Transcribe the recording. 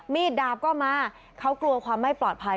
ดาบก็มาเขากลัวความไม่ปลอดภัย